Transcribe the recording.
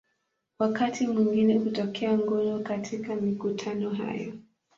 Wakati mwingine hutokea ngono katika mikutano haya.